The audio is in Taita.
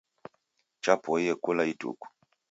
Chapoiye kula ituku